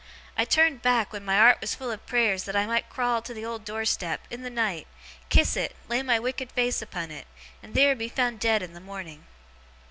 I turned back, when my 'art was full of prayers that I might crawl to the old door step, in the night, kiss it, lay my wicked face upon it, and theer be found dead in the morning."